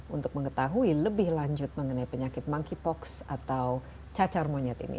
untuk mengetahui lebih lanjut mengenai penyakit monkeypox atau cacar monyet ini